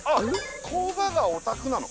工場がお宅なの？